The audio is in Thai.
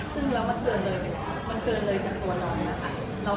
ซึ่งแล้วมันเกินเลยจากตัวเรา